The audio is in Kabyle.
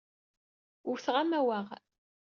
Wteɣ amawaɣ.